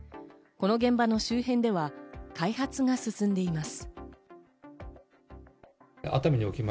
この現場の周辺では開発が進んでいます。